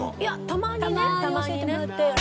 たまに教えてもらって。